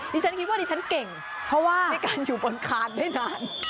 ดิฉันคิดว่าดิฉันเก่งเพราะว่าในการอยู่บนคานได้นาน